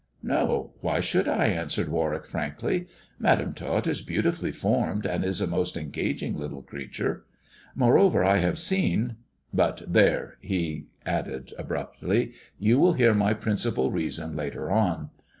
"No. Why should I?" answered Warwick frankly. " Madam Tot is beautifully formed, and is a most engaging little creature. Moreover, I have seen But there," he added abruptly, " you will hear my principal reason later on.